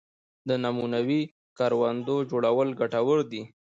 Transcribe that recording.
د نمونوي کروندو جوړول ګټور دي